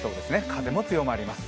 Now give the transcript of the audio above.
風も強まります。